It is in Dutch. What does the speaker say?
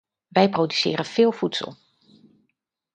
Wij produceren veel voedsel.